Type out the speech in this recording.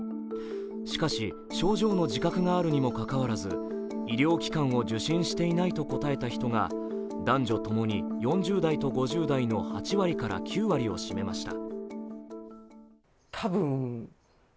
しかし症状の自覚があるにもかかわらず医療機関を受診していないと答えた人が男女ともに４０代と５０代の８９割を占めました。